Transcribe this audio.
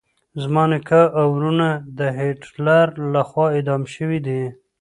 زما نیکه او ورونه د هټلر لخوا اعدام شويدي.